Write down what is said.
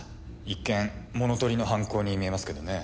一見物盗りの犯行に見えますけどね。